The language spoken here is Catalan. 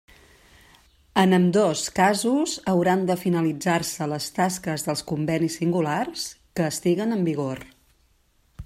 En ambdós casos hauran de finalitzar-se les tasques dels convenis singulars que estiguen en vigor.